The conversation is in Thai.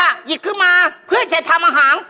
หยิบขึ้นมาเพื่อจะทำอาหาร